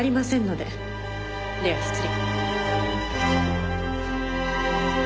では失礼。